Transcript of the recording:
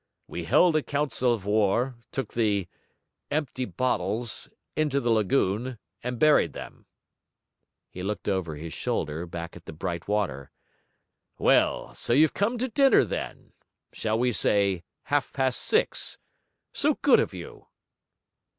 We held a council of war, took the... empty bottles... into the lagoon, and buried them.' He looked over his shoulder, back at the bright water. 'Well, so you'll come to dinner, then? Shall we say half past six. So good of you!'